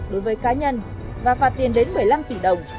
đối với cá nhân và phạt tiền đến một mươi năm tỷ đồng